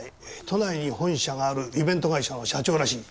都内に本社があるイベント会社の社長らしい。